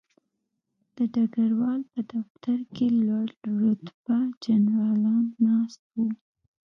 د ډګروال په دفتر کې لوړ رتبه جنرالان ناست وو